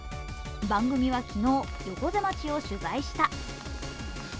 番組は昨日、横瀬町を取材した。